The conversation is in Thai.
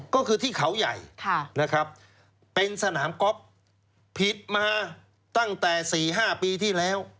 ก็คือที่เขาใหญ่นะครับเป็นสนามก๊อฟผิดมาตั้งแต่๔๕ปีที่แล้ว